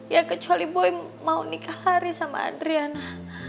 ya kecuali boy mau nikah hari sama adriana